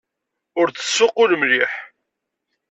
Ur d-tessuqqul mliḥ.